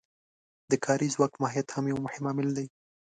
د کاري ځواک ماهیت هم یو مهم عامل دی